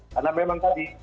karena memang tadi